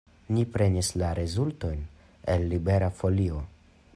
Ni prenis la rezultojn el Libera Folio.